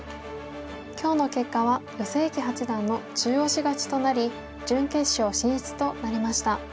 今日の結果は余正麒八段の中押し勝ちとなり準決勝進出となりました。